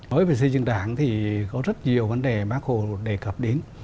nói về xây dựng đảng thì có rất nhiều vấn đề bác hồ đề cập đến